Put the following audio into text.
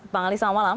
bang ali selamat malam